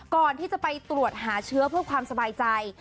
ก่อนที่จะไปตรวจหาเชื้อเพื่อความสบายใจ